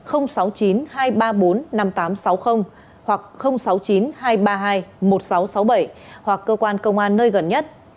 hoặc sáu mươi chín hai trăm ba mươi hai một nghìn sáu trăm sáu mươi bảy hoặc cơ quan công an nơi gần nhất